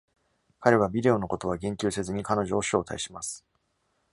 彼はビデオのことは言及せずに彼女を招待します。